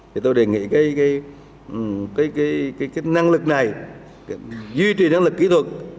thì tôi đề nghị cái năng lực này duy trì năng lực kỹ thuật